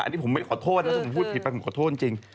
อันนี้ผมขอโทษนะถ้าผมพูดผิดไปผมขอโทษจริง